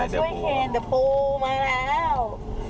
ช่วยเคนเดี๋ยวปูมาแล้ว